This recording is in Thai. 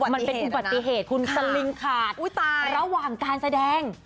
มันเป็นอุบัติเหตุคุณสลิงขาดระหว่างการแสดง